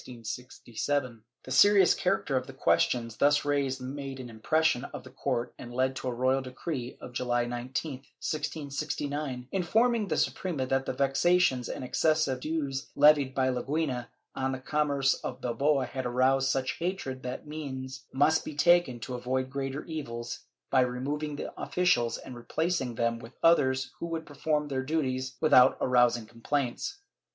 ^ The serious character of the questions thus raised made an impression on the court and led to a royal decree of July 19, 1669, informing the Suprema that the vexations and excessive dues levied by Leguina on the commerce of Bilbao had aroused such hatred that means must be taken to avoid greater evils, by remov ing the officials and replacing them with others who would perform their duties without arousing complaints.